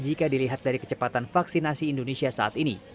jika dilihat dari kecepatan vaksinasi indonesia saat ini